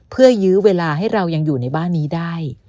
เพื่อยื้อเวลาให้เรายังอยู่ในบ้านนี้ได้